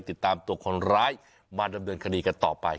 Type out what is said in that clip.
ติดตามตัวคนร้ายมาดำเนินคดีกันต่อไป